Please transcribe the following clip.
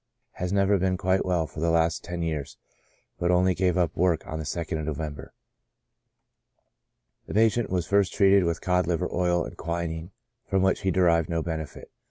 Has never been quite well for the last ten years, but only gave up work on the 2nd of November. The patient was first treated with cod liver oil and qui nine, from which he derived no benefit.